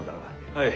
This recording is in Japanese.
はい。